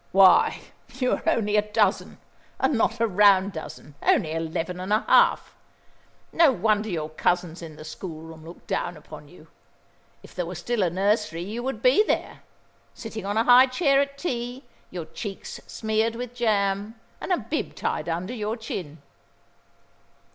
"Why, you are only a dozen and not a round dozen, only eleven and a half. No wonder your cousins in the school room look down upon you. If there were still a nursery, you would be there, sitting on a high chair at tea, your cheeks smeared with jam, and a bib tied under your chin."